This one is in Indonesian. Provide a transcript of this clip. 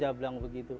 dia bilang begitu